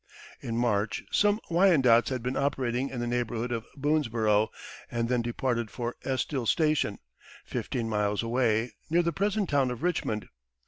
In March, some Wyandots had been operating in the neighborhood of Boonesborough and then departed for Estill's Station, fifteen miles away, near the present town of Richmond.